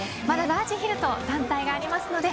またラージヒルと団体があります。